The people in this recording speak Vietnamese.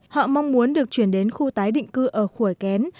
họ mong muốn được chuyển đến khu tái định cư ở khuổi kén